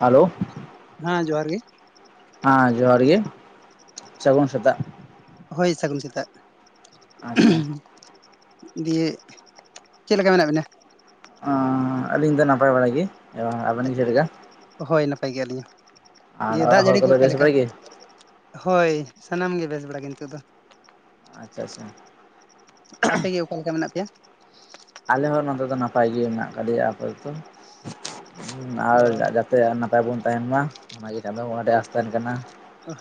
Hello ᱦᱟᱸ ᱡᱚᱦᱟᱨ ᱜᱮ ᱦᱮᱸ ᱡᱚᱦᱟᱨ ᱜᱮ ᱥᱟᱹᱜᱩᱱ ᱥᱮᱛᱟᱜ ᱦᱳᱭ ᱥᱟᱹᱜᱩᱱ ᱥᱮᱛᱟᱜ ᱟᱪᱪᱷᱟ ᱫᱤᱭᱮ ᱪᱮᱫ ᱞᱮᱠᱟ ᱢᱮᱱᱟᱜ ᱵᱤᱱᱟ ᱟᱸᱦ ᱟᱹᱞᱤᱧ ᱫᱚ ᱱᱟᱯᱟᱭ ᱵᱟᱲᱟ ᱜᱮ ᱟᱵᱮᱱ ᱪᱮᱫ ᱞᱮᱠᱟ [inaudible] ᱦᱳᱭ ᱱᱟᱯᱟᱭ ᱜᱮ ᱟᱹᱞᱤᱧ ᱟᱨ ᱦᱚᱸ ᱫᱟᱜ ᱚᱲᱟᱜ ᱦᱚᱲ ᱡᱟᱹᱲᱤ ᱠᱚ ᱠᱚᱫᱚ ᱚᱠᱟ ᱵᱮᱥ ᱞᱮᱠᱟ ᱵᱟᱲᱟ ᱜᱮ ᱦᱚᱭ ᱥᱟᱱᱟᱢ ᱜᱮ ᱵᱮᱥ ᱵᱟᱲᱟ ᱜᱮ ᱱᱤᱛᱚᱜ ᱫᱚ ᱟᱪᱪᱷᱟ ᱟᱪᱪᱷᱟ ᱟᱯᱮ ᱜᱮ ᱚᱠᱟ ᱞᱮᱠᱟ ᱢᱮᱱᱟᱜ ᱯᱮᱭᱟ ᱟᱞᱮ ᱦᱚᱸ ᱱᱚᱛᱮ ᱫᱚ ᱱᱟᱯᱟᱭ ᱜᱮ ᱢᱮᱱᱟᱜ ᱟᱠᱟᱞᱮᱭᱟ ᱟᱯᱮ ᱫᱚ [unintelligible] ᱟᱨ ᱚ ᱱᱟᱯᱟᱭ ᱵᱚᱱ ᱛᱟᱸᱦᱮᱱ ᱢᱟ ᱚᱱᱟᱜᱮ ᱪᱟᱸᱫᱚ ᱵᱚᱸᱜᱟ ᱴᱷᱮᱱ ᱟᱸᱥ ᱛᱟᱦᱮᱱ ᱠᱟᱱᱟ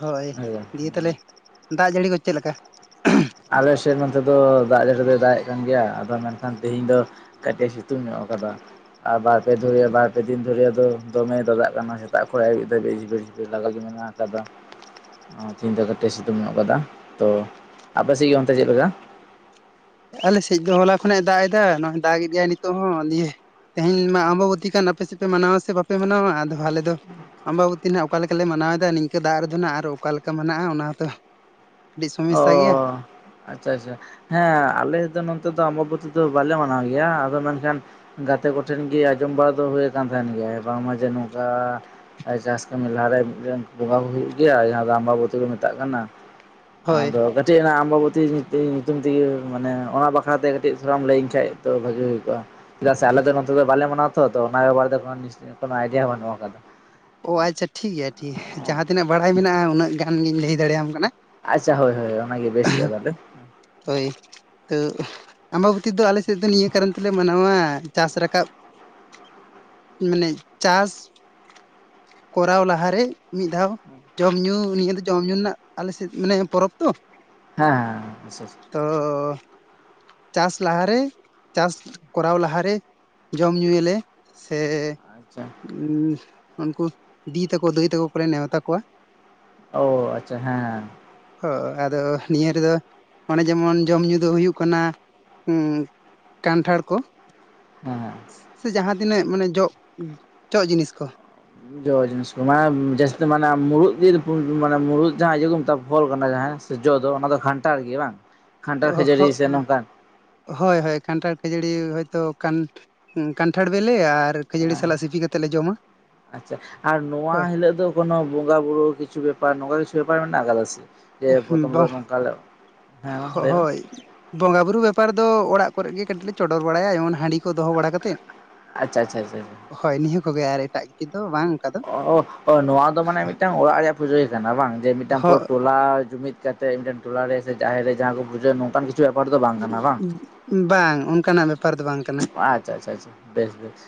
ᱦᱳᱭ ᱦᱮᱸᱥᱮ ᱫᱤᱭᱮ ᱛᱟᱦᱚᱞᱮ ᱫᱟᱜ ᱡᱟᱹᱲᱤ ᱠᱚ ᱪᱮᱫ ᱞᱮᱠᱟ ᱟᱞᱮ ᱥᱮᱫ ᱱᱚᱛᱮ ᱫᱚ ᱫᱟᱜ ᱡᱟᱹᱲᱤ ᱫᱚᱭ ᱫᱟᱜ ᱮᱜ ᱠᱟᱱ ᱜᱮᱭᱟ ᱟᱫᱚ ᱢᱮᱱᱠᱷᱟᱱ ᱛᱮᱦᱤᱧ ᱫᱚ ᱠᱟᱹᱴᱤᱡ ᱥᱤᱛᱩᱝ ᱧᱚᱜ ᱟᱠᱟᱫᱟ ᱟᱨ ᱵᱟᱨ ᱯᱮ ᱫᱷᱚᱨ ᱵᱟᱨ ᱯᱮ ᱫᱤᱱ ᱫᱷᱚᱨᱭᱟᱹ ᱫᱚ ᱫᱚᱢᱮᱭ ᱫᱟᱜ ᱫᱟᱜ ᱠᱟᱱᱟ ᱥᱮᱛᱟᱜ ᱠᱷᱚᱱ ᱟᱹᱭᱩᱵ ᱫᱷᱟᱹᱵᱤᱡ [unintelligible] ᱟᱹᱰᱤ ᱞᱟᱸᱜᱟᱜ ᱜᱮ ᱢᱮᱱᱟᱜ ᱟᱠᱟᱫᱟ ᱛᱤᱦᱤᱧ ᱫᱚ ᱠᱟᱹᱴᱤᱡ ᱥᱤᱛᱩᱝ ᱧᱚᱜ ᱟᱠᱟᱫᱟ ᱛᱚ ᱟᱯᱮᱥᱤ ᱜᱮ ᱚᱱᱛᱮ ᱪᱮᱫ ᱞᱮᱠᱟ ᱟᱞᱮ ᱥᱮᱡ ᱫᱚ ᱦᱚᱞᱟ ᱠᱷᱚᱱᱟᱜᱮ ᱫᱟᱜ ᱮᱫᱟ ᱱᱚᱜᱼᱚᱭ ᱫᱟᱜᱮᱫ ᱜᱮᱭᱟᱭ ᱱᱤᱛᱚᱜ ᱦᱚᱸ ᱫᱤᱭᱮ ᱛᱮᱦᱮᱧ ᱢᱟ ᱟᱢᱵᱚᱵᱚᱛᱤ ᱠᱟᱱ ᱟᱯᱮ ᱥᱮᱫ ᱯᱮ ᱢᱟᱱᱟᱣᱟ ᱥᱮ ᱵᱟᱯᱮ ᱢᱟᱱᱟᱣᱟ ᱟᱫᱚ ᱟᱞᱮ ᱫᱚ ᱟᱢᱵᱟᱵᱚᱛᱤ ᱱᱟᱜ ᱚᱠᱟ ᱞᱮᱠᱟᱞᱮ ᱢᱟᱱᱟᱣᱮᱫᱟ ᱱᱤᱝᱠᱟᱹ ᱫᱟᱜ ᱨᱮᱫᱚ ᱱᱟᱜ ᱟᱨ ᱚᱠᱟ ᱞᱮᱠᱟ ᱢᱮᱱᱟᱜᱼᱟ ᱚᱱᱟᱛᱚ ᱟᱹᱰᱤ ᱚ ᱥᱚᱢᱮᱥᱥᱟ ᱜᱮᱭᱟ ᱟᱪᱪᱷᱟ ᱟᱪᱪᱷᱟ ᱦᱮᱸ ᱟᱞᱮ ᱫᱚ ᱱᱚᱛᱮ ᱫᱚ ᱟᱢᱵᱟᱵᱚᱛᱤ ᱫᱚ ᱵᱟᱞᱮ ᱢᱟᱱᱟᱣ ᱜᱮᱭᱟ ᱟᱫᱚ ᱢᱮᱱᱠᱷᱟᱱ ᱜᱟᱛᱮ ᱠᱚᱴᱷᱮᱱ ᱜᱮ ᱟᱸᱡᱚᱢ ᱵᱟᱲᱟ ᱫᱚ ᱦᱩᱭ ᱟᱠᱟᱱ ᱛᱟᱦᱮᱱ ᱜᱮᱭᱟ ᱵᱟᱝᱢᱟ ᱡᱮ ᱱᱚᱝᱠᱟ ᱪᱟᱥ ᱠᱟᱹᱢᱤ ᱞᱟᱦᱟᱨᱮ ᱢᱤᱫᱴᱟᱝ ᱵᱚᱸᱜᱟ ᱠᱚ ᱦᱩᱭᱩᱜ ᱜᱮᱭᱟ ᱡᱟᱦᱟᱸ ᱫᱚ ᱟᱢᱵᱟᱵᱚᱛᱤ ᱠᱚ ᱢᱮᱛᱟᱜ ᱠᱟᱱᱟ ᱦᱳᱭ ᱟᱫᱚ ᱢᱤᱫ ᱴᱟᱹᱡ ᱚᱱᱟ ᱟᱢᱵᱟᱵᱚᱛᱤ ᱧᱩᱛᱩᱢ ᱛᱮᱜᱮ ᱢᱟᱱᱮ ᱚᱱᱟ ᱵᱟᱠᱷᱨᱟᱛᱮ ᱠᱟᱹᱴᱤᱡ ᱫᱷᱟᱨᱟᱢ ᱞᱟᱹᱭᱟᱹᱧ ᱠᱷᱟᱡ ᱵᱷᱟᱹᱜᱤ ᱦᱩᱭ ᱠᱚᱜᱼᱟ ᱪᱮᱫᱟᱜ ᱥᱮ ᱟᱞᱮ ᱫᱚ ᱱᱚᱛᱮ ᱫᱚ ᱵᱟᱞᱮ ᱢᱟᱱᱟᱣᱟ ᱛᱚ ᱛᱚ ᱚᱱᱟ ᱵᱟᱨᱮᱛᱮ ᱫᱚ ᱟᱭᱰᱤᱭᱟ ᱠᱟᱱᱩᱜ ᱟᱠᱟᱫᱟ ᱚ ᱟᱪᱪᱷᱟ ᱴᱷᱤᱠ ᱜᱮᱭᱟ ᱴᱷᱤᱠ ᱜᱮᱭᱟ ᱡᱟᱦᱟᱸ ᱛᱤᱱᱟᱹᱜ ᱵᱟᱲᱟᱭ ᱢᱮᱱᱟᱜᱼᱟ ᱩᱱᱟᱹᱜ ᱜᱟᱱ ᱜᱤᱧ ᱞᱟᱹᱭ ᱫᱟᱲᱮᱭᱟᱢ ᱠᱟᱱᱟ ᱟᱪᱪᱷᱟ ᱦᱳᱭ ᱦᱳᱭ ᱚᱱᱟᱜᱮ ᱵᱮᱥ ᱦᱩᱭᱩᱜᱼᱟ ᱛᱟᱦᱚᱞᱮ ᱦᱳᱭ ᱛᱚ [inaudible] ᱟᱢᱵᱟᱵᱚᱛᱤ ᱫᱚ ᱟᱞᱮᱥᱮᱫ ᱫᱚ ᱱᱤᱭᱟᱹ ᱠᱟᱨᱚᱱ ᱛᱮᱞᱮ ᱢᱟᱱᱟᱣᱟ ᱪᱟᱥ ᱨᱟᱠᱟᱵ ᱢᱟᱱᱮ ᱪᱟᱥ ᱠᱚᱨᱟᱣ ᱞᱟᱦᱟᱨᱮ ᱢᱤᱫ ᱫᱷᱟᱣ [inaudible] ᱡᱚᱢ ᱧᱩ ᱱᱤᱭᱟᱹ ᱫᱚ ᱡᱚᱢ ᱧᱩ ᱨᱮᱱᱟᱜ ᱟᱞᱮᱥᱮᱫ ᱢᱟᱱᱮ ᱯᱚᱨᱚᱵᱽ ᱛᱚ ᱦᱮᱸ ᱦᱮᱸ ᱛᱚ ᱪᱟᱥ ᱞᱟᱦᱟᱨᱮ ᱪᱟᱥ ᱠᱚᱨᱟᱣ ᱞᱟᱦᱟᱨᱮ ᱡᱚᱢ ᱧᱩᱭᱟᱞᱮ ᱥᱮ ᱟᱪᱪᱷᱟ ᱩᱱᱠᱩ ᱫᱤ ᱛᱟᱠᱚ ᱫᱟᱹᱭ ᱛᱟᱠᱚ ᱠᱚᱞᱮ ᱱᱮᱣᱛᱟ ᱠᱚᱣᱟ ᱚ ᱟᱪᱪᱷᱟ ᱦᱮᱸ ᱦᱚᱜ ᱟᱫᱚ ᱱᱤᱭᱟᱹ ᱨᱮᱫᱚ ᱚᱱᱮ ᱡᱮᱢᱚᱱ ᱡᱚᱢ ᱧᱩ ᱫᱚ ᱦᱩᱭᱩᱜ ᱠᱟᱱᱟ ᱠᱟᱱᱴᱷᱟᱲ ᱠᱚ ᱦᱮᱸ ᱥᱮ ᱡᱟᱦᱟᱸ ᱛᱤᱱᱟᱹᱜ ᱢᱟᱱᱮ ᱡᱚᱜ ᱡᱚᱜ ᱡᱤᱱᱤᱥ ᱠᱚ ᱡᱚ ᱡᱤᱱᱤᱥ ᱠᱚ ᱢᱟ ᱡᱟᱹᱥᱛᱤ ᱢᱟᱱᱟ ᱢᱩᱨᱩᱫᱽ ᱜᱮ ᱡᱩᱫᱤ ᱵᱳᱱ ᱢᱟᱱᱟ ᱢᱩᱨᱩᱫ ᱡᱟᱦᱟᱸ ᱤᱭᱟᱹ ᱠᱚ ᱢᱮᱛᱟᱜ ᱠᱟᱱᱟ ᱯᱷᱚᱞ ᱠᱟᱱᱟ ᱡᱟᱦᱟᱸ ᱡᱚ ᱫᱚ ᱚᱱᱟ ᱫᱚ ᱠᱷᱟᱱᱴᱟᱲ ᱜᱮ ᱵᱟᱝ ᱠᱷᱟᱱᱴᱟᱲ ᱚ ᱠᱷᱟᱹᱡᱟᱹᱲᱤ ᱥᱮ ᱦᱚᱸ ᱱᱚᱝᱠᱟᱱ ᱦᱳᱭ ᱦᱳᱭ ᱠᱟᱱᱴᱷᱟᱲ ᱠᱷᱟᱹᱡᱟᱹᱲᱤ ᱦᱚᱭᱛᱳ ᱠᱟᱱ ᱠᱟᱱᱴᱷᱟᱲ ᱵᱤᱞᱮ ᱟᱨ ᱠᱷᱟᱹᱡᱟᱹᱲᱤ ᱥᱟᱞᱟᱜ ᱥᱤᱯᱤ ᱠᱟᱛᱮᱫ ᱞᱮ ᱡᱚᱢᱟ ᱟᱪᱪᱷᱟ ᱟᱨ ᱱᱚᱣᱟ ᱦᱳᱭ ᱦᱤᱞᱳᱜ ᱫᱚ ᱠᱚᱱᱚ ᱵᱚᱸᱜᱟ ᱵᱩᱨᱩ ᱠᱤᱪᱷᱩ ᱵᱮᱯᱟᱨ ᱱᱚᱝᱠᱟ ᱠᱤᱪᱷᱩ ᱵᱮᱯᱟᱨ ᱢᱮᱱᱟᱜ ᱟᱠᱟᱫᱟ ᱥᱮ ᱡᱮ ᱯᱨᱚᱛᱷᱚᱢ ᱫᱚ ᱵᱟᱝ ᱱᱚᱝᱠᱟ ᱞᱮ ᱦᱮᱸ ᱢᱟ ᱞᱟᱹᱭ ᱵᱤᱱ ᱦᱳᱭ ᱵᱚᱸᱜᱟ ᱵᱩᱨᱩ ᱵᱮᱯᱟᱨ ᱫᱚ ᱚᱲᱟᱜ ᱠᱚᱨᱮ ᱜᱮ ᱠᱟᱹᱴᱤᱡ ᱞᱮ ᱪᱚᱰᱚᱨ ᱵᱟᱲᱟᱭᱟ ᱡᱮᱢᱚᱱ ᱦᱟᱺᱰᱤ ᱠᱚ ᱫᱚᱦᱚ ᱵᱟᱲᱟ ᱠᱟᱛᱮ ᱾ ᱟᱪᱪᱷᱟ ᱟᱪᱷᱟ ᱟᱪᱷᱟ ᱦᱳᱭ ᱱᱤᱭᱟᱹ ᱠᱚᱜᱮ ᱟᱨ ᱮᱴᱟᱜ ᱠᱤᱪᱷᱩ ᱫᱚ ᱵᱟᱝ ᱚᱱᱠᱟ ᱫᱚ ᱱᱚᱣᱟ ᱫᱚ ᱢᱟᱱᱮ ᱢᱤᱫᱴᱟᱝ ᱚᱲᱟᱜ ᱨᱮᱭᱟᱜ ᱯᱩᱡᱟᱹ ᱠᱟᱱᱟ ᱵᱟᱝ ᱡᱮ ᱢᱤᱫᱴᱟᱝ ᱦᱚ ᱴᱚᱞᱟ ᱡᱩᱢᱤᱫ ᱠᱟᱛᱮ ᱢᱤᱫᱴᱮᱱ ᱴᱚᱞᱟᱨᱮ ᱥᱮ ᱡᱟᱦᱮᱨ ᱨᱮ ᱡᱟᱦᱟᱸ ᱠᱚ ᱵᱩᱡᱷᱟᱹᱜᱼᱟ ᱱᱚᱝᱠᱟᱱ ᱠᱤᱪᱷᱩ ᱵᱮᱯᱟᱨ ᱫᱚ ᱵᱟᱝ ᱠᱟᱱᱟ ᱵᱟᱝ ᱵᱟᱝ ᱚᱱᱠᱟᱱᱟᱜ ᱵᱮᱯᱟᱨ ᱫᱚ ᱵᱟᱝ ᱠᱟᱱᱟ ᱟᱪᱪᱷᱟ ᱟᱪᱪᱷᱟ ᱟᱪᱪᱷᱟ ᱵᱮᱥ ᱵᱮᱥ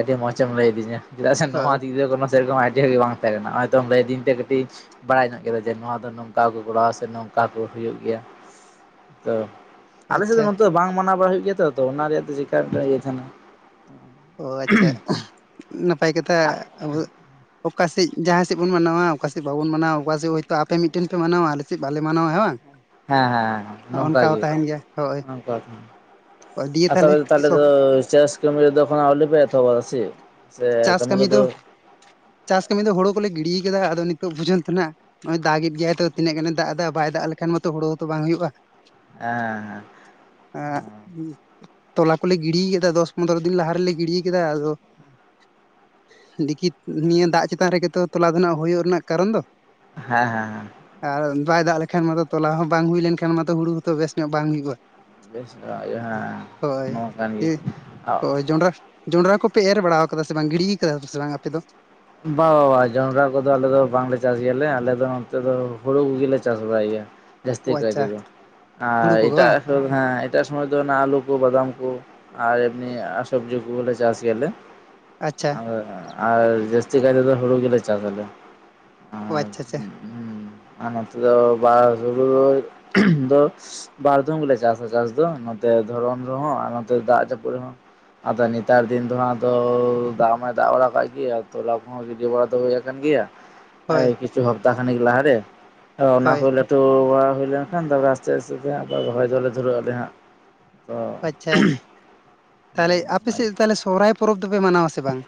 ᱟᱹᱰᱤ ᱢᱚᱸᱚᱡᱮᱢ ᱞᱟᱹᱭᱟᱫᱤᱧᱟ ᱪᱮᱫᱟᱜ ᱥᱮ ᱱᱚᱣᱟ ᱦᱳᱭ ᱫᱤᱜᱫᱤᱭᱮ ᱠᱚᱱᱳ ᱥᱮᱨᱚᱠᱚᱢ ᱟᱭᱰᱤᱭᱟ ᱜᱮ ᱵᱟᱝ ᱛᱟᱦᱮᱸ ᱠᱟᱱᱟ ᱱᱚᱜᱼᱚᱭ ᱛᱚ ᱞᱟᱹᱭ ᱫᱤᱧ ᱛᱮ ᱠᱟᱹᱴᱤᱡ ᱵᱟᱲᱟᱭ ᱧᱚᱜ ᱠᱮᱫᱟ ᱡᱮ ᱱᱚᱣᱟ ᱫᱚ ᱱᱚᱝᱠᱟ ᱠᱚ ᱠᱚᱨᱟᱣᱟ ᱥᱮ ᱱᱚᱝᱠᱟ ᱠᱚ ᱦᱩᱭᱩᱜ ᱜᱮᱭᱟ ᱾ ᱛᱚ ᱟᱞᱮ ᱥᱮᱫ ᱫᱚ ᱟᱪᱪᱷᱟ ᱱᱚᱛᱮ ᱵᱟᱝ ᱢᱟᱱᱟᱣ ᱵᱟᱲᱟ ᱦᱩᱭᱩᱜ ᱜᱮᱭᱟ ᱛᱚ ᱛᱚ ᱚᱱᱟ ᱨᱮᱭᱟᱜ ᱫᱚ ᱪᱮᱠᱟ ᱤᱭᱟᱹ ᱛᱟᱦᱮᱱᱟ ᱾ ᱚ ᱟᱪᱪᱷᱟ ᱱᱟᱯᱟᱭ ᱠᱟᱛᱷᱟ ᱟᱵᱚ ᱚᱠᱟ ᱥᱮᱫ ᱡᱟᱦᱟᱸ ᱥᱮᱫ ᱵᱚᱱ ᱢᱟᱱᱟᱣᱟ ᱚᱠᱟ ᱥᱮᱫ ᱵᱟᱵᱚᱱ ᱢᱟᱱᱟᱣᱟ ᱚᱠᱟ ᱥᱮᱫ ᱦᱳᱭᱛᱳ ᱟᱯᱮ ᱢᱤᱫᱴᱮᱱ ᱯᱮ ᱢᱟᱱᱟᱣᱟ ᱟᱞᱮ ᱥᱮᱫ ᱵᱟᱞᱮ ᱢᱟᱱᱟᱣᱟ ᱦᱮ ᱵᱟᱝ ᱦᱮᱸ ᱦᱮᱸ ᱱᱚᱝᱠᱟ ᱚᱱᱠᱟ ᱦᱚᱸ ᱜᱮ ᱛᱟᱦᱮᱱ ᱜᱮᱭᱟ ᱦᱳᱭ ᱱᱚᱠᱟ ᱟᱨ ᱛᱚᱵᱮ ᱛᱟᱦᱚᱞᱮ ᱫᱚ ᱪᱟᱥ ᱠᱟᱢᱤ ᱫᱚ ᱟᱹᱣᱨᱤ ᱯᱮ ᱮᱛᱚᱦᱵᱟ ᱥᱮ ᱪᱮᱫ ᱪᱟᱥ ᱠᱟᱹᱢᱤ ᱫᱚ ᱪᱟᱥ ᱠᱟᱹᱢᱤ ᱫᱚ ᱦᱩᱲᱩ ᱠᱚᱞᱮ ᱜᱤᱰᱤ ᱠᱟᱫᱟ ᱟᱫᱚ ᱱᱤᱛᱚᱜ ᱯᱚᱡᱚᱱᱛᱚ ᱱᱟᱜ ᱱᱚᱜᱼᱚᱭ ᱫᱟᱜ ᱮ ᱜᱮᱭᱟᱭ ᱛᱚ ᱛᱤᱱᱟᱹᱜ ᱜᱟᱱ ᱫᱟᱜ ᱮᱫᱟ ᱵᱟᱭ ᱫᱟᱜ ᱞᱮᱠᱷᱟᱱ ᱢᱟᱛᱚ ᱦᱩᱲᱩ ᱛᱚ ᱵᱟᱝ ᱦᱩᱭᱩᱜᱼᱟ ᱾ ᱦᱮᱸᱮᱸ ᱮ ᱛᱚᱞᱟ ᱠᱚᱞᱮ ᱜᱤᱰᱤᱭ ᱠᱮᱫᱟ ᱫᱚᱥ ᱯᱚᱱᱨᱚ ᱫᱤᱱ ᱞᱟᱦᱟ ᱨᱮᱞᱮ ᱜᱤᱰᱤ ᱠᱮᱫᱟ ᱟᱫᱚ ᱫᱮᱠᱷᱤ ᱱᱤᱭᱟᱹ ᱫᱟᱜ ᱪᱮᱛᱟᱱ ᱨᱮᱜᱮ ᱛᱚ ᱛᱚᱞᱟ ᱫᱚ ᱱᱟᱜ ᱦᱩᱭᱩᱜ ᱨᱮᱱᱟᱜ ᱠᱟᱨᱚᱱ ᱫᱚ ᱦᱮᱸ ᱦᱮᱸ ᱦᱮᱸ ᱟᱨ ᱵᱟᱭ ᱫᱟᱜ ᱞᱮᱠᱷᱟᱱ ᱢᱟᱛᱚ ᱛᱚᱞᱟ ᱦᱚᱸ ᱵᱟᱝ ᱦᱩᱭ ᱞᱮᱱᱠᱷᱟᱱ ᱢᱟᱛᱚ ᱦᱩᱲᱩ ᱦᱚᱸ ᱛᱚ ᱵᱮᱥ ᱧᱚᱜ ᱵᱟᱝ ᱦᱩᱭᱩᱜᱼᱟ ᱾ ᱵᱮᱥ ᱫᱚ ᱱᱚᱣᱟ ᱠᱟᱱ ᱜᱮ ᱡᱚᱸᱰᱨᱟ ᱠᱚᱯᱮ ᱮᱨ ᱵᱟᱲᱟ ᱠᱟᱣᱫᱟ ᱥᱮ ᱵᱟᱝ ᱜᱤᱲᱤ ᱠᱟᱫᱟ ᱥᱮ ᱵᱟᱝ ᱟᱯᱮ ᱫᱚ? ᱵᱟ ᱵᱟ ᱵᱟ ᱡᱚᱸᱰᱨᱟ ᱠᱚᱫᱚ ᱟᱞᱮ ᱫᱚ ᱵᱟᱝᱞᱮ ᱪᱟᱥ ᱜᱮᱭᱟᱞᱮ ᱟᱞᱮ ᱫᱚ ᱱᱚᱛᱮ ᱫᱚ ᱦᱩᱲᱩ ᱠᱚᱜᱮ ᱞᱮ ᱪᱟᱥ ᱵᱟᱲᱟᱭ ᱾ ᱜᱮᱭᱟ ᱡᱟᱹᱥᱛᱤ ᱚ ᱠᱟᱭ ᱛᱮ ᱟᱪᱪᱷᱟ ᱫᱚ ᱦᱩᱲᱩ ᱟᱨ ᱠᱚᱜᱮ ᱮᱴᱟᱜ ᱵᱟᱝ ᱦᱮᱸ ᱮᱴᱟᱜ ᱥᱚᱢᱚᱭ ᱫᱚ ᱟᱞᱩ ᱠᱚ ᱵᱟᱫᱟᱢ ᱠᱚ ᱟᱨ ᱮᱢᱱᱤ ᱥᱚᱵᱡᱤ ᱠᱚ ᱦᱩᱲᱩ ᱠᱚ ᱞᱮ ᱪᱟᱥ ᱜᱮᱭᱟᱞᱮ ᱟᱪᱪᱷᱟ ᱟᱨ ᱡᱟᱥ ᱛᱮ ᱫᱚ ᱦᱩᱲᱩ ᱜᱮᱞᱮ ᱪᱟᱥ ᱟᱞᱮ ᱚ ᱟᱪᱪᱷᱟ ᱟᱪᱪᱷᱟ ᱾ ᱦᱩᱸ ᱟᱨ ᱱᱚᱛᱮ ᱫᱚ ᱵᱟ ᱦᱩᱲᱩ ᱫᱚ ᱵᱟᱨᱫᱚᱢ ᱜᱮᱞᱮ ᱪᱟᱥᱟ ᱪᱟᱥ ᱫᱚ ᱱᱚᱛᱮ ᱫᱷᱚᱨᱚᱱ ᱨᱮᱦᱚᱸ ᱟᱨ ᱱᱚᱛᱮ ᱫᱟᱜ ᱡᱟᱹᱯᱩᱫ ᱨᱮᱦᱚᱸ ᱾ ᱟᱫᱚ ᱱᱮᱛᱟᱨ ᱫᱤᱱ ᱫᱚ ᱦᱟᱸᱜ ᱫᱚ ᱫᱟᱜ ᱵᱟᱭ ᱫᱟᱜ ᱵᱟᱲᱟ ᱠᱟᱫ ᱜᱮ ᱛᱚᱞᱟ ᱠᱚᱦᱚᱸ ᱜᱤᱰᱤ ᱵᱟᱲᱟ ᱫᱚ ᱦᱩᱭᱟ ᱟᱠᱟᱱ ᱜᱮᱭᱟ ᱦᱳᱭ ᱠᱤᱪᱷᱩ ᱦᱟᱯᱛᱟ ᱠᱷᱟᱱᱤᱠ ᱞᱟᱦᱟᱨᱮ᱾ ᱚᱱᱟ ᱦᱳᱭ ᱠᱚ ᱞᱟᱹᱴᱩ ᱵᱟᱲᱟ ᱦᱩᱭ ᱞᱮᱱᱠᱷᱟᱱ ᱛᱟᱨᱯᱚᱨᱮ ᱟᱥᱛᱮ ᱟᱥᱛᱮ ᱛᱮ ᱟᱨ ᱨᱚᱦᱚᱭ ᱫᱚᱞᱮ ᱫᱷᱩᱨᱟᱹᱜ ᱟᱞᱮ ᱦᱟᱸᱜ ᱾ ᱟᱪᱪᱷᱟ ᱛᱟᱦᱚᱞᱮ ᱟᱯᱮ ᱚᱱᱟᱜᱮ ᱥᱮᱫ ᱛᱟᱦᱚᱞᱮ ᱥᱚᱦᱚᱨᱟᱭ ᱯᱚᱨᱚᱵᱽ ᱫᱚᱯᱮ ᱢᱟᱱᱟᱣᱟ ᱥᱮ ᱵᱟᱝ?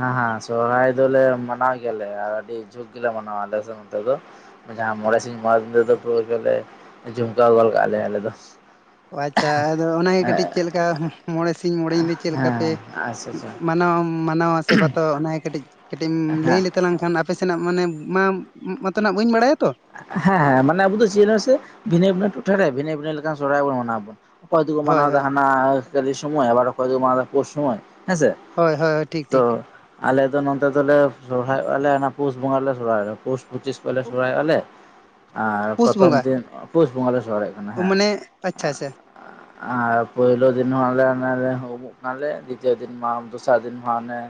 ᱦᱮᱸ ᱦᱮᱸ ᱥᱚᱨᱚᱦᱟᱭ ᱫᱚᱞᱮ ᱢᱟᱱᱟᱣ ᱜᱮᱭᱟᱞᱮ ᱟᱨ ᱟᱹᱰᱤ ᱡᱷᱩᱠ ᱜᱮᱞᱮ ᱢᱟᱱᱟᱣᱟ ᱟᱞᱮ ᱱᱚᱛᱮ ᱫᱚ ᱾ ᱡᱟᱦᱟᱸ ᱢᱚᱬᱮ ᱥᱤᱧ ᱢᱚᱬᱮ ᱧᱤᱫᱟᱹ ᱫᱚ ᱨᱮ ᱫᱚ ᱯᱩᱨᱟ ᱜᱮᱞᱮ ᱡᱷᱩᱢᱠᱟᱟᱹ ᱜᱚᱫ ᱠᱟᱜᱼᱟ ᱞᱮ ᱟᱞᱮ ᱫᱚ ᱾ ᱟᱪᱪᱷᱟ ᱟᱫᱚ ᱚᱱᱟᱜᱮ ᱠᱟᱹᱴᱤᱡ ᱪᱮᱫ ᱞᱮᱠᱟ ᱢᱚᱬᱮ ᱥᱤᱧ ᱢᱚᱬᱮ ᱧᱤᱫᱟᱹ ᱪᱮᱫ ᱞᱮᱠᱟ ᱯᱮ ᱟᱪᱪᱷᱟ ᱢᱟᱱᱟᱣ ᱢᱟᱱᱟᱣᱟ ᱥᱮ ᱵᱟᱛᱟᱣᱟ ᱚᱱᱟ ᱜᱮ ᱠᱟᱹᱴᱤᱡ ᱠᱟᱹᱴᱤᱡ ᱮᱢ ᱟᱪᱪᱷᱟ ᱞᱟᱹᱭ ᱦᱮᱸ ᱞᱮ ᱛᱟᱞᱟᱝᱠᱷᱟᱱ ᱟᱯᱮ ᱥᱮᱱᱟᱜ ᱢᱟᱱᱮ ᱢᱟ ᱢᱚᱛᱚᱱᱟᱜ ᱵᱟᱹᱧ ᱵᱟᱲᱟᱭᱟ ᱛᱚ ᱦᱮᱸ ᱦᱮᱸ ᱢᱟᱱᱮ ᱟᱵᱚ ᱫᱚ ᱪᱮᱫᱟᱥᱮ ᱵᱷᱤᱱᱟᱹᱤᱱᱟᱹ ᱴᱚᱴᱷᱟᱨᱮ ᱵᱷᱤᱱᱟᱹ ᱵᱷᱤᱱᱟᱹ ᱞᱮᱠᱟᱱ ᱥᱚᱨᱚᱦᱟᱭ ᱵᱚᱱ ᱢᱟᱱᱟᱣᱵᱚᱱ ᱾ ᱠᱚᱭ ᱠᱚ ᱦᱳᱭ ᱢᱟᱱᱟᱣᱫᱟ ᱦᱳᱭ ᱦᱟᱱᱟ ᱠᱟᱞᱤ ᱥᱚᱢᱚᱭ ᱟᱵᱟᱨ ᱚᱠᱚᱭ ᱫᱚ ᱢᱟᱱᱟᱣᱫᱟ ᱯᱳᱥ ᱥᱚᱢᱚᱭ ᱾ ᱦᱮᱸ ᱥᱮ ᱦᱳᱭ ᱦᱳᱭ ᱴᱷᱤᱠ ᱛᱚ ᱴᱷᱤᱠ ᱟᱞᱮᱫᱚ ᱱᱚᱛᱮ ᱫᱚᱞᱮ ᱥᱚᱨᱦᱟᱭᱚᱜᱼᱟᱞᱮ ᱯᱩᱥ ᱵᱚᱸᱜᱟ ᱨᱮᱞᱮ ᱥᱚᱨᱦᱟᱭᱚᱜ ᱯᱩᱥ ᱯᱩᱪᱤᱥ ᱠᱚᱞᱮ ᱥᱚᱨᱦᱟᱭᱚᱜᱼᱟᱞᱮ ᱟᱨ ᱯᱩᱥ ᱯᱨᱚᱛᱷᱚᱢ ᱵᱚᱸᱜᱟ ᱫᱤᱱ ᱯᱩᱥ ᱵᱚᱸᱜᱟᱞᱮ ᱥᱚᱦᱚᱨᱟᱭᱚᱜ ᱠᱟᱱᱟ ᱦᱮᱸ ᱢᱟᱱᱮ ᱟᱪᱪᱷᱟ ᱟᱪᱪᱷᱟ ᱟᱨ ᱯᱚᱭᱞᱩ ᱫᱤᱱ ᱦᱚᱸ ᱟᱞᱮ ᱟᱞᱮ ᱵᱤᱪᱟᱨ ᱫᱤᱱ ᱢᱟ ᱫᱚᱥᱟᱨ ᱫᱤᱱ ᱢᱟᱱᱮ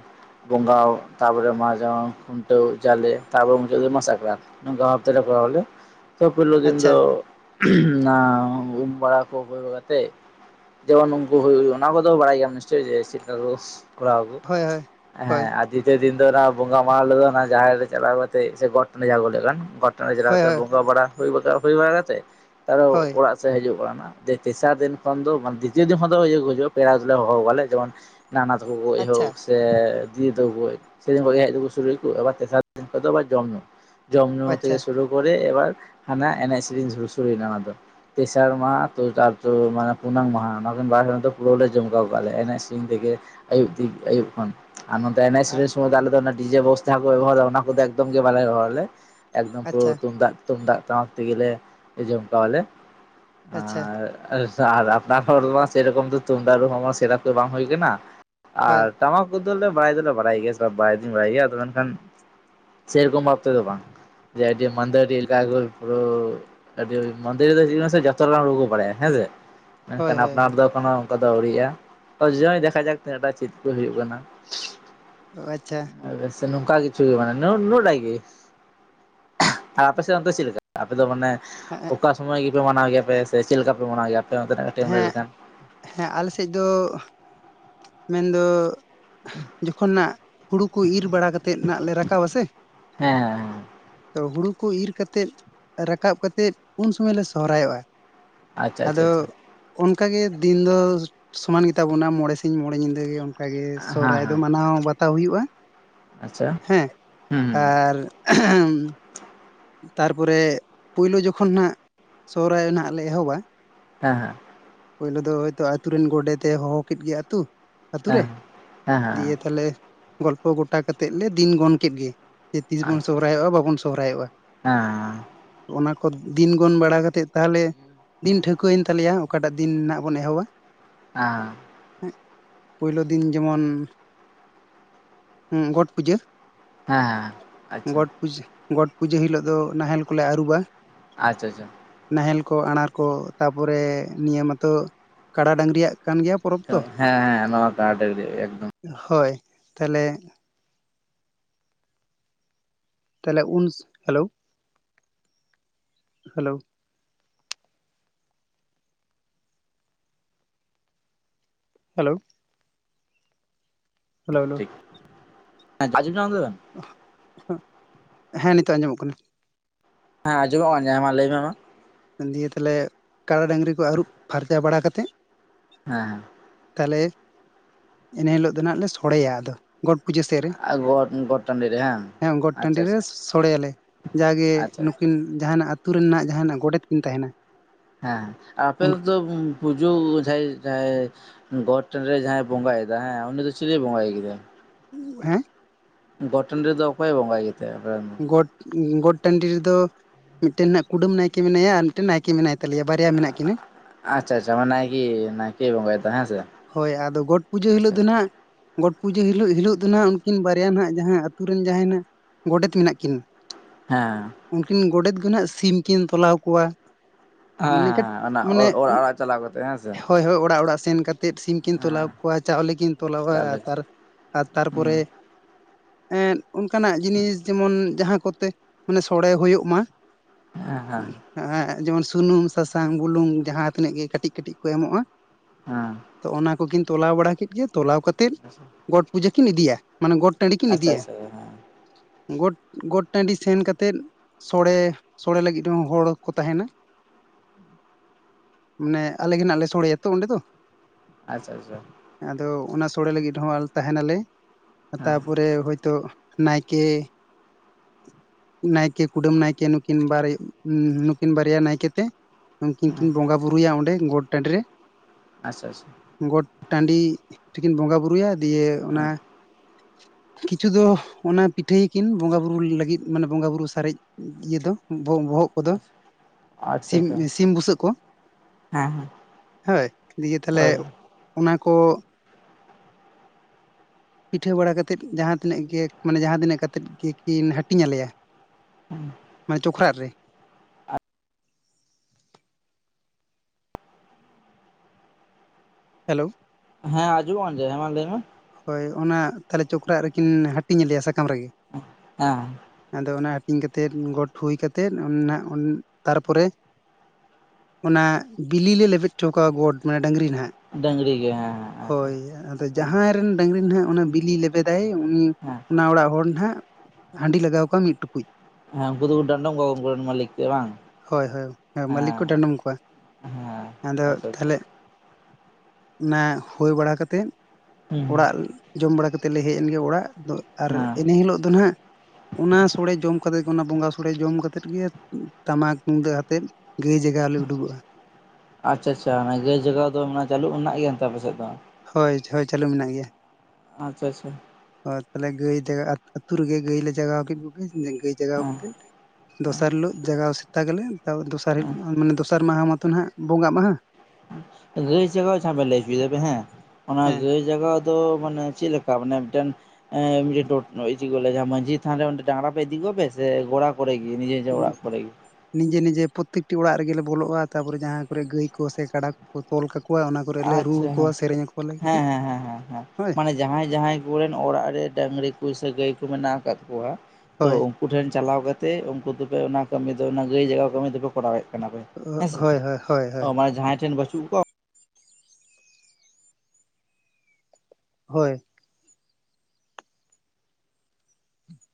ᱵᱚᱸᱜᱟ ᱛᱟᱯᱚᱨᱮ ᱢᱟ ᱡᱮᱱᱚ ᱠᱷᱩᱱᱴᱟᱹᱣ ᱡᱟᱞᱮ ᱛᱟᱯᱚᱨᱮ ᱢᱩᱪᱟᱹᱫ ᱥᱟᱠᱨᱟᱛ ᱱᱚᱝᱠᱟ [unintelligible] ᱯᱩᱭᱞᱳ ᱫᱤᱱ ᱟᱪᱪᱷᱟ ᱫᱚ ᱣᱟ ᱩᱢ ᱵᱟᱲᱟ ᱠᱚ ᱛᱮ ᱡᱮᱢᱚᱱ ᱩᱱᱠᱩ ᱦᱳᱭ ᱦᱳᱭ ᱚᱱᱟ ᱠᱚᱫᱚ ᱵᱟᱲᱟᱭ ᱜᱮᱭᱟᱢ ᱱᱤᱥᱪᱚᱭ ᱪᱮᱫ [unintelligible] ᱠᱚ ᱠᱚᱨᱟᱣ ᱟᱠᱚ ᱦᱳᱭ ᱦᱳᱭ ᱦᱳᱭ ᱦᱮᱸ ᱟᱫᱤ ᱵᱚᱸᱜᱟ ᱢᱟᱦᱟ ᱞᱮᱫ ᱚᱱᱟ ᱡᱟᱦᱮ ᱨᱮ ᱪᱟᱞᱟᱣ ᱠᱟᱛᱮ ᱥᱮ ᱜᱚᱴ ᱡᱟᱦᱟ ᱠᱚ ᱞᱟᱹᱭᱮᱫ ᱠᱟᱱ ᱜᱚᱴ ᱪᱟᱞᱟᱣ ᱦᱳᱭ ᱠᱟᱛᱮ ᱦᱳᱭ ᱵᱚᱸᱜᱟ ᱵᱟᱲᱟ ᱦᱩᱭ ᱵᱟᱲᱟ ᱦᱩᱭ ᱵᱟᱲᱟ ᱛᱚᱞᱮ ᱦᱳᱭ ᱚᱲᱟᱜ ᱥᱮ ᱦᱤᱡᱩᱜ ᱠᱟᱱᱟ ᱛᱮᱥᱟᱨ ᱫᱤᱱ ᱠᱷᱚᱱ ᱫᱚ ᱫᱤᱛᱚ ᱫᱤᱱ ᱦᱤᱡᱩᱜᱼᱟ ᱯᱮᱲᱟ ᱫᱚᱞ ᱦᱚᱦᱚ ᱟᱠᱚᱜᱮᱭᱟᱞᱮ ᱡᱮᱢᱚᱱ ᱟᱪᱪᱷᱟ [unintelligible] ᱥᱮ ᱫᱤᱭᱤ ᱛᱟᱠᱚ ᱥᱮᱨᱮᱧ ᱠᱷᱚᱱ ᱦᱮᱡ ᱛᱚ ᱥᱩᱨᱩᱭᱟ, ᱟᱵᱟᱨ ᱛᱮᱥᱟᱨ ᱫᱤᱱ ᱠᱷᱚᱱ ᱫᱚ ᱟᱵᱟᱨ ᱡᱚᱢ ᱧᱩ᱾ ᱡᱚᱢ ᱧᱩ ᱟᱪᱪᱷᱟ ᱥᱩᱨᱩ ᱠᱚᱨᱮ ᱮᱵᱟᱨ ᱦᱟᱱᱟ ᱮᱱᱮᱡ ᱥᱮᱨᱮᱧ ᱥᱩᱨᱩᱭᱱᱟ ᱚᱱᱟ ᱫᱚ ᱛᱮᱥᱟᱨ ᱢᱟᱦᱟ [unintelligible] ᱢᱟᱱᱮ ᱯᱩᱱᱟᱝ ᱢᱟᱦᱟ ᱚᱱᱟᱠᱤᱱ ᱵᱟᱨ ᱫᱚ ᱯᱩᱨᱟᱹᱣᱞ ᱞᱮ ᱡᱚᱢᱠᱟᱣ ᱠᱟᱜᱼᱟ ᱞᱮ ᱮᱱᱮᱡ ᱥᱮᱨᱮᱧ ᱛᱮᱜᱮ ᱟᱹᱭᱩᱵ ᱫᱤᱠ ᱟᱹᱭᱩᱵ ᱠᱷᱚᱱ ᱟᱨ ᱱᱚᱱᱛᱮ ᱮᱱᱮᱡ ᱥᱮᱨᱮᱧ ᱥᱚᱢᱚᱭ ᱫᱟ ᱟᱞᱮ ᱫᱚ ᱚᱱᱟ ᱰᱤᱡᱮ ᱵᱳᱠᱥ ᱡᱟᱦᱟ ᱠᱟ ᱵᱮᱵᱚᱦᱟᱨᱼᱟ ᱮᱠᱫᱟᱢ ᱜᱮ ᱵᱟᱞᱮ ᱵᱮᱵᱚᱦᱟᱨ ᱟᱞᱮ ᱾ ᱮᱠᱫᱚᱢ ᱯᱩᱨᱟᱹ ᱟᱪᱪᱷᱟ ᱛᱩᱢᱫᱟᱜ ᱛᱩᱢᱫᱟᱜ ᱴᱟᱢᱟᱠ ᱛᱮᱜᱮᱞᱮ ᱡᱚᱢᱠᱟᱣ ᱟᱞᱮ ᱟᱪᱪᱷᱟ ᱟᱨ ᱟᱨ ᱟᱯᱱᱟᱨ ᱦᱚᱲ ᱫᱚ ᱢᱟ ᱥᱮᱨᱚᱠᱚᱢ ᱛᱩᱢᱫᱟᱜ ᱨᱩᱦ ᱢᱟ ᱥᱮᱲᱟᱠᱚ ᱵᱟᱝ ᱦᱩᱭ ᱠᱟᱱᱟ ᱦᱳᱭ ᱟᱨ ᱴᱟᱢᱟᱠ ᱠᱚᱫᱚ ᱞᱮ ᱵᱟᱲᱟᱭ ᱫᱞᱮ ᱵᱟᱲᱟᱭ ᱵᱟᱲᱟᱭ ᱜᱮᱭᱟ ᱟᱫᱚ ᱢᱮᱱᱠᱷᱟᱱ ᱥᱮ ᱨᱚᱠᱚᱢ ᱵᱷᱟᱵ ᱛᱮ ᱫᱚ ᱵᱟᱝ ᱾ [unintelligible] ᱟᱫᱚ ᱢᱟᱹᱫᱟᱹᱲᱤᱭᱟᱹ ᱨᱮ ᱡᱚᱛᱚ ᱨᱚᱠᱚᱢ ᱨᱩ ᱠᱚ ᱵᱟᱲᱟᱭᱟ ᱦᱮᱸᱥ ᱦᱳᱭ ᱢᱮᱱᱠᱷᱟᱱ ᱦᱳᱭ ᱟᱯᱱᱟᱨ ᱫᱚ ᱚᱱᱠᱟ ᱫᱚ ᱟᱹᱨᱤᱟᱜᱼᱟ ᱛᱚ ᱡᱟᱭ ᱫᱮᱠᱷᱟ ᱡᱟᱠ ᱛᱤᱱᱟᱹᱜᱴᱟ ᱪᱮᱫ ᱠᱚ ᱦᱩᱭᱩᱜ ᱠᱟᱱᱟ ᱾ ᱚ ᱟᱪᱪᱷᱟ ᱟᱞᱮ ᱥᱮᱫ ᱱᱚᱝᱠᱟ ᱠᱤᱪᱷᱩ ᱜᱮ ᱢᱟᱱᱮ ᱱᱩᱱᱟᱜ ᱴᱟ ᱜᱮ ᱟ ᱟᱯᱮ ᱥᱮᱫ ᱚᱱᱛᱮ ᱫᱚ ᱪᱮᱫᱠᱟ ᱟᱯᱮ ᱫᱚ ᱢᱟᱱᱮ ᱚᱠᱟ ᱥᱚᱢᱳᱚᱭ ᱜᱮᱯᱮ ᱢᱟᱱᱟᱣ ᱜᱮᱭᱟ ᱯᱮ ᱥᱮ ᱪᱮᱫ ᱞᱮᱠᱟ ᱯᱮ ᱢᱟᱱᱟᱣ ᱜᱮᱭᱟ? ᱱᱚᱣᱟ ᱠᱚᱨᱮᱱᱟᱜ ᱠᱟᱴᱤᱡ ᱮᱢ ᱞᱟᱹᱭ ᱦᱮᱸ ᱞᱮᱠᱷᱟᱱ ᱦᱮᱸ ᱟᱞᱮ ᱥᱮᱫ ᱫᱚ ᱢᱮᱱ ᱫᱚ ᱡᱚᱠᱷᱚᱱᱱᱟᱜ ᱦᱩᱲᱩ ᱠᱚ ᱤᱨ ᱵᱟᱲᱟ ᱠᱟᱛᱮᱫ ᱱᱟᱜᱼᱞᱮ ᱨᱟᱠᱟ ᱟᱥᱮ ᱾ ᱦᱮᱸ ᱦᱮᱸ ᱦᱮᱸ ᱛᱚ ᱦᱩᱲᱩ ᱠᱚ ᱤᱨ ᱠᱟᱛᱮᱫ ᱨᱟᱠᱟᱵ ᱠᱟᱛᱮᱫ ᱩᱱ ᱥᱚᱢᱚᱭ ᱞᱮ ᱥᱚᱦᱚᱨᱟᱭᱚᱜᱼᱟ ᱾ ᱟᱪᱪᱷᱟ ᱟᱪᱪᱷᱟ ᱟᱫᱚ ᱟᱪᱪᱷᱟ ᱚᱱᱠᱟ ᱜᱮ ᱫᱤᱱ ᱫᱚ ᱥᱚᱢᱟᱱ ᱜᱮᱛᱟᱵᱚᱱᱟ ᱢᱚᱬᱮ ᱥᱤᱧ ᱢᱚᱬᱮ ᱧᱤᱫᱟᱹ ᱜᱮ ᱚᱱᱠᱟ ᱜᱮ ᱦᱮᱸ ᱥᱚᱦᱚᱨᱟᱭ ᱫᱚ ᱦᱮᱸ ᱢᱟᱱᱟᱣ ᱵᱟᱛᱟᱣ ᱦᱩᱭᱩᱜᱼᱟ ᱟᱪᱪᱷᱟ ᱾ ᱦᱮᱸ ᱦᱩᱸ ᱦᱩᱸ ᱟᱨ ᱛᱟᱨᱯᱚᱨᱮ ᱯᱳᱭᱞᱳ ᱡᱚᱠᱷᱚᱱ ᱱᱟᱦᱱᱟᱜ ᱥᱚᱦᱚᱨᱟᱭ ᱱᱟᱦᱟᱜ ᱞᱮ ᱮᱦᱚᱵᱟ [unintelligible] ᱯᱳᱭᱞᱳ ᱫᱚ ᱦᱚᱭᱛᱚ ᱟᱛᱳ ᱨᱮᱱ ᱜᱚᱰᱮᱛᱮᱛ ᱦᱚᱦᱚ ᱠᱮᱫ ᱜᱮ ᱟᱛᱳ ᱟᱛᱳ ᱦᱮᱸ ᱨᱮ ᱦᱮᱸ ᱦᱮᱸ ᱟᱪᱪᱷᱟ ᱦᱮᱸ ᱦᱮᱸ ᱦᱮᱸ ᱫᱤᱭᱮ ᱛᱟᱦᱚᱞᱮ ᱜᱚᱞᱯᱚ ᱜᱚᱴᱟ ᱠᱟᱛᱜ ᱞᱮ ᱫᱤᱱ ᱜᱚᱱ ᱠᱮᱫ ᱜᱮ ᱾ ᱛᱤᱥ ᱵᱚᱱ ᱟᱪᱪᱷᱟ ᱥᱨᱟᱭᱚᱜᱼᱟ ᱵᱟᱵᱚᱱ ᱥᱚᱦᱨᱟᱭᱚᱜᱼᱟ ᱚᱱᱟ ᱠᱚ ᱫᱤᱱ ᱜᱚᱱ ᱵᱟᱲᱟ ᱠᱟᱛᱮᱫ ᱛᱟᱦᱚᱞᱮ ᱫᱤᱱ ᱴᱷᱟᱹᱣᱠᱟᱹᱭᱮᱱ ᱛᱟᱞᱮᱭᱟ ᱚᱠᱟᱴᱟᱜ ᱫᱤᱱ ᱱᱟᱜ ᱵᱚᱱ ᱮᱦᱚᱵᱟ ᱟ ᱯᱩᱭᱞᱳ ᱫᱤᱱ ᱡᱮᱢᱚᱱ ᱜᱚᱴ ᱯᱩᱡᱟᱹ ᱜᱚᱴ ᱯᱩᱡᱟᱹ ᱜᱚᱴ ᱯᱩᱡᱟᱹ ᱦᱤᱞᱳᱜ ᱫᱚ ᱱᱟᱦᱮᱞ ᱠᱚᱞᱮ ᱟᱨᱩᱵᱟ ᱾ ᱟᱪᱪᱷᱟ ᱟᱪᱷᱟ ᱱᱟᱦᱮᱞ ᱠᱚ ᱟᱲᱟᱨ ᱠᱚ ᱛᱟᱯᱚᱨᱮ ᱱᱤᱭᱟᱹ ᱢᱟᱛᱚ ᱠᱟᱲᱟ ᱰᱟᱝᱨᱤᱭᱟᱜ ᱠᱟᱱ ᱜᱮᱭᱟ ᱯᱚᱨᱚᱵᱽ ᱛᱚ ᱦᱮᱸ ᱦᱮᱸ ᱱᱚᱣᱟ ᱢᱟ ᱠᱟᱲᱟ ᱵᱟᱝᱜᱤ ᱜᱮ ᱮᱫᱚᱢ ᱾ ᱦᱳᱭ ᱛᱟᱦᱚᱞᱮ ᱛᱟᱦᱚᱞᱮ ᱩᱱ hello hello hello hello hello [inaudible] ᱟᱡᱚᱢ ᱧᱟᱢ ᱫᱟᱵᱤᱱ ᱦᱮᱸ ᱱᱤᱛᱳᱜ ᱟᱸᱡᱚᱢᱚᱜ ᱠᱟᱱᱟ ᱦᱮᱸ ᱟᱸᱡᱚᱢᱚᱜ ᱠᱟᱱᱟ ᱦᱮᱸ ᱢᱟ ᱞᱟᱹᱭ ᱢᱮ ᱢᱟᱼᱼ ᱫᱤᱭᱮ ᱛᱟᱦᱟᱞᱮ ᱠᱟᱲᱟ ᱰᱟᱹᱝᱨᱤ ᱠᱚ ᱟᱹᱨᱩᱵ ᱯᱷᱟᱨᱪᱟ ᱵᱟᱲᱟ ᱠᱟᱛᱮᱫᱼᱼ ᱦᱮᱸ ᱦᱮᱸ᱾ ᱛᱟᱦᱚᱞᱮ ᱤᱱᱟᱹ ᱦᱤᱞᱳᱜ ᱫᱚ ᱦᱟᱜ ᱞᱮ ᱥᱚᱲᱮᱭᱟ ᱟᱫᱚᱼᱼ ᱜᱚᱴ ᱯᱩᱡᱟᱹ ᱥᱮ? ᱟᱨ [unintelligible] ᱼᱼ ᱴᱟᱰᱤ ᱨᱮ ᱦᱮᱸᱼᱼ ᱦᱮᱸ ᱜᱚᱴ ᱴᱟᱺᱰᱤ ᱨᱮ ᱥᱚᱲᱮᱭᱟᱞᱮ ᱡᱟᱜᱮ ᱟᱪᱪᱷᱟ ᱱᱩᱠᱤᱱ ᱡᱟᱦᱟᱱᱟᱜᱼᱼ ᱟᱹᱛᱩ ᱨᱮᱱ ᱦᱟᱜ ᱡᱟᱦᱟ ᱜᱚᱰᱮᱛ ᱠᱤᱱ ᱛᱟᱦᱮᱱᱟᱼᱼ ᱦᱮᱸ ᱟᱯᱮ ᱫᱚᱼᱼ ᱯᱩᱡᱟᱹ ᱡᱟᱦᱟᱸᱭ ᱡᱟᱦᱟᱸᱭ ᱜᱚᱴ ᱨᱮ ᱡᱟᱦᱟᱸᱭ ᱵᱚᱸᱜᱟᱭᱮᱫᱟ ᱦᱮᱸ ᱩᱱᱤ ᱫᱚ ᱪᱤᱞᱮ ᱵᱚᱸᱜᱟ? [unintelligible] [unintelligible] ᱦᱮᱸ? ᱜᱚᱴ ᱴᱟᱺᱰᱤ ᱨᱮᱫᱚ ᱚᱠᱚᱭ ᱵᱚᱸᱜᱟᱭ ᱜᱮᱛᱮ? ᱫᱚ ᱜᱚᱴ ᱜᱚᱴ ᱴᱟᱺᱰᱤ ᱨᱮᱫᱚ ᱢᱤᱫᱴᱟᱝ ᱦᱟᱜ ᱠᱩᱰᱟᱹᱢ ᱱᱟᱭᱠᱮ ᱢᱮᱱᱟᱭᱟᱼᱼ ᱢᱤᱫᱴᱟᱝ ᱱᱟᱭᱠᱮ ᱢᱮᱱᱟᱭ ᱛᱟᱞᱮᱭᱟ ᱵᱟᱨᱭᱟ ᱢᱮᱱᱟᱜ ᱠᱤᱱᱟ᱾ ᱟᱪᱪᱷᱟ ᱟᱪᱪᱷᱟ ᱢᱟᱱᱮ ᱱᱟᱭᱠᱮ ᱱᱟᱭᱠᱮᱭ ᱵᱚᱸᱜᱟᱭᱟ ᱛᱚ ᱦᱮᱸ ᱥᱮᱼᱼ ᱦᱳᱭ ᱟᱫᱚ ᱜᱚᱴ ᱯᱩᱡᱟᱹ ᱦᱤᱞᱳᱜ ᱫᱚ ᱱᱟᱦᱟᱜᱼᱼ ᱜᱚᱴ ᱯᱩᱡᱟᱹ ᱦᱤᱞᱳᱜ ᱦᱤᱞᱳᱜ ᱫᱚ ᱦᱟᱸᱜ ᱩᱱᱠᱤᱱ ᱵᱟᱨᱭᱟ ᱡᱟᱦᱟ ᱟᱹᱛᱩ ᱨᱮᱱ ᱡᱟᱦᱟᱸᱭ ᱦᱟᱜᱼᱼ ᱜᱚᱰᱮᱛ ᱢᱮᱱᱟᱜ ᱠᱤᱱᱼᱼ ᱦᱮᱸ᱾ ᱩᱱᱠᱤᱱ ᱜᱚᱰᱮᱛ ᱜᱮ ᱦᱟᱜ ᱥᱤᱢ ᱠᱤᱱ ᱛᱚᱞᱟᱣ ᱠᱚᱣᱟ᱾ ᱦᱮᱸ ᱦᱮᱸ ᱢᱟᱱᱮ ᱚᱱᱟ [unintelligible] ᱢᱟᱱᱮ ᱚᱲᱟᱜ ᱚᱲᱟᱜ ᱪᱟᱞᱟᱣ ᱠᱟᱛᱮ ᱦᱮᱸ ᱥᱮ [unintelligible] ᱦᱳᱭ ᱦᱳᱭ ᱚᱲᱟᱜ ᱚᱲᱟᱜ ᱥᱮᱱ ᱠᱟᱛᱮᱼᱼ ᱛᱮᱫ ᱥᱤᱢ ᱠᱤᱱ ᱛᱚᱞᱟᱣ ᱦᱮᱸ ᱠᱚᱣᱟ ᱪᱟᱣᱞᱮ ᱠᱤᱱ ᱛᱚᱞᱟᱣᱟ ᱪᱟᱣᱞᱮ ᱦᱮᱸ [unintelligible] ᱼᱼ ᱟᱨ ᱛᱟᱨᱯᱚᱨᱮ [unintelligible] ᱚᱱᱠᱟᱱᱟᱜ ᱡᱤᱱᱤᱥ ᱡᱮᱢᱚᱱ ᱡᱟᱦᱟᱸ ᱠᱚᱛᱮᱼᱼ ᱢᱟᱱᱮ ᱥᱚᱲᱮ ᱦᱩᱭᱩᱜ ᱢᱟ ᱦᱮᱸ ᱦᱮᱸ ᱦᱮᱸ [unintelligible] ᱼᱼ ᱡᱮᱢᱚᱱ ᱥᱩᱱᱩᱢ ᱥᱟᱥᱟᱝ ᱵᱩᱞᱩᱝ ᱡᱟᱦᱟᱸ ᱛᱤᱱᱟᱹᱜ ᱜᱮ ᱠᱟᱹᱴᱤᱡ ᱠᱟᱹᱴᱤᱡ ᱠᱚ ᱮᱢᱚᱜᱼᱟᱼᱼ ᱦᱮᱸ᱾ ᱛᱚ ᱚᱱᱟ ᱠᱚᱠᱤᱱ ᱛᱚᱞᱟᱣ ᱵᱟᱲᱟ ᱠᱮᱫ ᱜᱮ ᱛᱚᱞᱟᱣ ᱠᱟᱛᱮᱫ ᱟᱪᱪᱷᱟ ᱜᱚᱴ ᱯᱩᱡᱟᱹ ᱠᱤᱱ ᱤᱫᱤᱭᱟ ᱢᱟᱱᱮ ᱜᱚᱴᱼᱼ ᱴᱟᱺᱰᱤ ᱠᱤᱱ ᱟᱪᱪᱷᱟ ᱤᱫᱤᱭᱟ᱾ ᱦᱮᱸ ᱟᱪᱪᱷᱟ ᱟᱪᱪᱷᱟ ᱦᱮᱸ ᱦᱮᱸ ᱟᱪᱪᱷᱟ ᱟᱪᱪᱷᱟ ᱜᱚᱴ [unintelligible] ᱴᱟᱺᱰᱤ ᱥᱮᱱ ᱠᱟᱛᱮᱫ ᱥᱚᱲᱮ ᱥᱚᱲᱮ ᱞᱟᱹᱜᱤᱫ ᱦᱚᱸ ᱦᱚᱲ ᱠᱚ ᱛᱟᱦᱮᱱᱟ᱾ [inaudible] ᱢᱟᱱᱮ ᱟᱞᱮ ᱜᱮ ᱦᱟᱜ ᱞᱮ ᱥᱚᱲᱮᱭᱟᱛᱚ ᱚᱸᱰᱮ ᱫᱚᱼᱼ ᱟᱪᱪᱷᱟ ᱟᱪᱪᱷᱟ᱾ ᱟᱫᱚ ᱚᱱᱟ ᱥᱳᱲᱮ ᱞᱟᱹᱜᱤᱫ ᱦᱚᱸ ᱛᱟᱦᱮᱱᱟᱞᱮ ᱛᱟᱯᱚᱨᱮ ᱦᱚᱭᱛᱚᱼᱼ ᱱᱟᱭᱠᱮᱼᱼ ᱱᱟᱭᱠᱮ ᱠᱩᱰᱟᱹᱢ ᱱᱟᱭᱠᱮ ᱱᱩᱠᱤᱱ ᱵᱟᱨᱭᱟ ᱱᱩᱠᱤᱱ ᱵᱟᱨᱭᱟ ᱱᱟᱭᱠᱮ ᱛᱮᱼᱼ ᱩᱱᱠᱤᱱ ᱠᱤᱱ ᱵᱚᱸᱜᱟ ᱵᱩᱨᱩᱭᱟ ᱚᱸᱰᱮ ᱜᱚᱴ ᱴᱟᱺᱰᱤ ᱨᱮ᱾ ᱟᱪᱪᱷᱟ ᱟᱪᱷᱟ᱾ ᱜᱚᱴ ᱴᱟᱺᱰᱤ ᱨᱮᱠᱤᱱ ᱵᱚᱸᱜᱟ ᱵᱩᱨᱩᱭᱟ ᱫᱤᱭᱮ ᱚᱱᱟᱼᱼ [unintelligible] ᱼᱼ ᱠᱤᱪᱷᱩ ᱫᱚ ᱚᱱᱟ ᱯᱤᱴᱷᱟᱹᱭᱟᱠᱤᱱ ᱵᱚᱸᱜᱟᱼᱵᱩᱨᱩ ᱞᱟᱹᱜᱤᱫ ᱢᱟᱱᱮ ᱵᱚᱸᱜᱟᱼ ᱵᱩᱨᱩ ᱥᱟᱨᱮᱡᱼᱼ ᱤᱭᱟᱹ ᱫᱚ ᱵᱚᱦᱚᱜ ᱠᱚᱫᱚᱼᱼ ᱟᱪᱪᱷᱟ ᱥᱤᱢ ᱦᱮᱸ ᱥᱤᱢ ᱵᱩᱥᱟᱹᱜ ᱠᱚ ᱦᱮᱸ ᱦᱳᱭ᱾ ᱫᱤᱭᱮ ᱛᱟᱦᱚᱞᱮ ᱦᱳᱭ ᱚᱱᱟ ᱠᱚᱼᱼ ᱯᱤᱴᱷᱟᱹ ᱵᱟᱲᱟ ᱠᱟᱛᱮᱫ ᱡᱟᱦᱟᱸ ᱛᱤᱱᱟᱹᱜ ᱜᱮ ᱢᱟᱱᱮ ᱡᱟᱦᱟᱸ ᱛᱤᱱᱟᱹᱜ ᱠᱟᱛᱮᱫ ᱜᱮᱠᱤᱱ ᱦᱟᱹᱴᱤᱧ ᱟᱞᱮᱭᱟᱼᱼ ᱦᱮᱸ ᱢᱟᱱᱮ [unintelligible] ᱨᱮᱼᱼ ᱦᱮᱞᱳ ᱦᱮᱸ ᱟᱸᱡᱩ ᱟᱸᱡᱮ ᱦᱮᱸ ᱞᱟᱹᱭ ᱢᱮ᱾ ᱦᱳᱭ ᱚᱱᱟ ᱛᱟᱦᱚᱞᱮ ᱪᱚᱠᱨᱟᱜ ᱨᱮᱠᱤᱱ ᱦᱟᱹᱴᱤᱧ ᱞᱮᱭᱟ ᱥᱟᱠᱟᱢ ᱨᱮᱜᱮ᱾ ᱦᱮᱸ ᱟᱫᱚ ᱚᱱᱟ ᱦᱟᱹᱴᱤᱧ ᱠᱟᱛᱮᱫ ᱜᱚᱴ ᱦᱩᱭ ᱠᱟᱛᱮᱫ ᱛᱟᱨᱯᱚᱨᱮ ᱚᱱᱟ ᱵᱤᱞᱤ ᱞᱮ ᱞᱮᱵᱮᱫ ᱦᱚᱪᱚ ᱠᱚᱣᱟ ᱜᱚᱴ ᱢᱟᱱᱮ ᱰᱟᱺᱝᱨᱤ ᱱᱟᱦᱟᱜ, ᱰᱟᱹᱝᱨᱤ ᱜᱮ ᱦᱮᱸ ᱦᱮᱸ ᱦᱳᱭ ᱟᱫᱚ ᱦᱮᱸ ᱡᱟᱦᱟᱸ ᱨᱮᱱ ᱰᱟᱹᱝᱨᱤ ᱦᱟᱜ ᱚᱱᱟ ᱵᱤᱞᱤᱭ ᱞᱮᱵᱮᱫᱟᱭ ᱩᱱᱤ ᱦᱮᱸ ᱚᱱᱟ ᱚᱲᱟᱜ ᱦᱚᱲ ᱱᱟᱦᱟᱜ ᱦᱟᱺᱰᱤ ᱞᱟᱜᱟᱣ ᱠᱚᱣᱟ ᱢᱤᱫ ᱴᱩᱠᱩᱡ᱾ ᱦᱮᱸ ᱩᱱᱠᱩ ᱫᱚᱠᱚ ᱰᱟᱸᱰᱚᱢ ᱠᱚᱣᱟ ᱜᱟᱹᱭ ᱢᱟᱹᱞᱤᱠ ᱠᱚ ᱵᱟᱝ? ᱦᱳᱭ ᱦᱳᱭ ᱢᱟᱹᱞᱤᱠ ᱠᱚ ᱦᱮᱸ ᱰᱟᱸᱰᱚᱢ ᱠᱚᱣᱟ ᱦᱮᱸ ᱟᱫᱚ ᱟᱪᱪᱷᱟ ᱟᱪᱪᱷᱟ ᱛᱟᱦᱚᱞᱮ ᱚᱱᱟ ᱦᱩᱭ ᱵᱟᱲᱟ ᱠᱟᱛᱮ ᱦᱩᱸ ᱚᱲᱟᱜ ᱡᱚᱢ ᱵᱟᱲᱟ ᱠᱟᱛᱮᱞᱮ ᱦᱮᱡ ᱮᱱᱜᱮ ᱚᱲᱟᱜ ᱟᱫᱚ ᱟᱨ ᱦᱮᱸ ᱤᱱᱟᱹ ᱦᱤᱞᱳᱜ ᱫᱚ ᱱᱟᱦᱟᱜᱼᱼ ᱚᱱᱟ ᱥᱚᱲᱮ ᱡᱚᱢ ᱠᱟᱛᱮᱫ ᱜᱮ ᱚᱱᱟ ᱵᱚᱸᱜᱟ ᱥᱚᱲᱮ ᱡᱚᱢ ᱠᱟᱛᱮᱫ ᱜᱮ, ᱼᱼ ᱴᱟᱢᱟᱠ ᱛᱩᱢᱫᱟᱹᱜ ᱟᱛᱮᱫ ᱜᱟᱹᱭ ᱡᱟᱜᱟᱣ ᱞᱮ ᱩᱰᱩᱠᱚᱜᱼᱟ᱾ ᱟᱪᱪᱷᱟ ᱟᱪᱪᱷᱟ ᱜᱟᱹᱭ ᱡᱟᱜᱟᱣ ᱫᱚ ᱪᱟᱹᱞᱩ ᱢᱮᱱᱟᱜ ᱜᱮᱭᱟ ᱚᱱᱛᱮ ᱟᱯᱮ ᱥᱮᱫ ᱫᱚ? ᱦᱳᱭ ᱦᱳᱭ ᱪᱟᱹᱞᱩ ᱢᱮᱱᱟᱜ ᱜᱮᱭᱟ᱾ ᱟᱪᱪᱷᱟ ᱟᱪᱪᱷᱟ ᱚ ᱛᱟᱦᱞᱮ ᱜᱟᱹᱭ ᱡᱟᱜᱟᱣ ᱟᱹᱛᱩ ᱨᱮᱜᱮ ᱜᱟᱹᱭ ᱞᱮ ᱡᱟᱜᱟᱣ ᱠᱮᱫ ᱠᱚᱜᱮ ᱜᱟᱹᱭ ᱡᱟᱜᱟᱣ ᱦᱮᱸ ᱠᱟᱛᱮᱫ ᱫᱚᱥᱟᱨ ᱦᱤᱞᱳᱜ ᱡᱟᱜᱟᱣ ᱥᱮᱛᱟ ᱜᱮᱞᱮ ᱫᱚᱥᱟᱨ ᱦᱮᱸ ᱦᱤᱞᱳᱜ ᱢᱟᱱᱮ ᱫᱚᱥᱟᱨ ᱢᱟᱦᱟ ᱢᱟᱛᱚ ᱱᱟᱦᱟᱜ ᱵᱚᱸᱜᱟᱜ ᱢᱟᱦᱟ᱾ ᱜᱟᱹᱭ ᱡᱟᱜᱟᱣ ᱡᱟᱸᱦᱟᱵᱤᱱ ᱞᱟᱹᱭ ᱦᱚᱪᱚᱭ ᱫᱟᱵᱤᱱ ᱦᱟᱸᱜ᱾ ᱦᱮᱸ ᱡᱟᱭᱟᱣ ᱫᱚ ᱢᱟᱱᱮ ᱪᱮᱫ ᱞᱮᱠᱟ ᱢᱟᱱᱮ ᱢᱤᱫᱴᱮᱱ ᱮ [inaudible] ᱢᱟᱡᱷᱤ ᱛᱷᱟᱱ ᱨᱮ ᱰᱟᱝᱨᱟ ᱯᱮ ᱤᱫᱤ ᱠᱚ ᱜᱮᱭᱟ ᱯᱮ ᱥᱮ ᱜᱚᱲᱟ ᱠᱚᱨᱮ ᱜᱮ ᱱᱤᱡᱮ ᱱᱤᱡᱮ ᱚᱲᱟᱜ ᱠᱚᱨᱮ ᱜᱮ᱾ ᱱᱤᱡᱮ ᱱᱤᱡᱮ ᱯᱨᱚᱛᱛᱮᱠᱴᱤ ᱚᱲᱟᱜ ᱨᱮᱜᱮ ᱞᱮ ᱵᱚᱞᱚᱜᱼᱟ ᱛᱟᱯᱚᱨᱮ ᱡᱟᱦᱟᱸ ᱠᱚᱨᱮ ᱜᱟᱹᱭ ᱠᱚ ᱥᱮ ᱠᱟᱰᱟ ᱠᱚ ᱛᱚᱞ ᱠᱟᱠᱚᱣᱟ ᱚᱱᱟ ᱛᱟᱨᱯᱚᱨᱮ ᱞᱮ ᱨᱩ ᱟᱪᱪᱷᱟ ᱟᱠᱚᱣᱟ ᱦᱮᱸ ᱥᱮᱨᱮᱧ ᱟᱠᱚᱣᱟᱞᱮ ᱦᱮᱸ ᱠᱟᱹᱴᱤᱡ ᱦᱮᱸ ᱦᱮᱸ ᱦᱮᱸ ᱦᱮᱸ ᱦᱳᱭ᱾ ᱢᱟᱱᱮ ᱡᱟᱦᱟᱸᱭ ᱡᱟᱦᱟᱸᱭ ᱠᱚᱨᱮᱱ ᱚᱲᱟᱜ ᱨᱮ ᱰᱟᱺᱝᱨᱤ ᱠᱚ ᱥᱮ ᱜᱟᱹᱭ ᱠᱚ ᱢᱮᱱᱟᱜ ᱟᱠᱟᱫ ᱠᱚᱣᱟ ᱛᱚ ᱦᱳᱭ ᱩᱱᱠᱩ ᱴᱷᱮᱱ ᱪᱟᱞᱟᱣ ᱠᱟᱛᱮᱫ ᱩᱱᱠᱩ ᱫᱚᱯᱮ ᱚᱱᱟ ᱠᱟᱹᱢᱤ ᱫᱚ ᱚᱱᱟ ᱜᱟᱹᱭ ᱡᱟᱜᱟᱣ ᱠᱟᱹᱢᱤ ᱫᱚᱯᱮ ᱠᱚᱨᱟᱣ᱾ ᱠᱟᱱᱟᱯᱮ ᱦᱮᱸᱥᱮ ᱦᱳᱭ ᱦᱳᱭ ᱦᱳᱭ ᱦᱳᱭ ᱢᱟᱱᱮ ᱡᱟᱦᱟᱸᱭ ᱴᱷᱮᱱ ᱵᱟᱹᱪᱩᱜ ᱠᱚᱣᱟ ᱦᱳᱭ